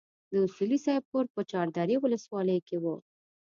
د اصولي صیب کور په چار درې ولسوالۍ کې وو.